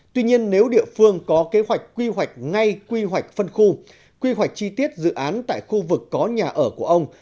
tuy nhiên nếu địa phương có kế hoạch quy hoạch ngay quy hoạch phân khu quy hoạch chi tiết dự án tại khu vực có nhà ở của ông